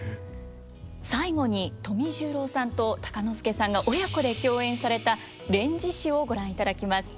最後に富十郎さんと鷹之資さんが親子で共演された「連獅子」をご覧いただきます。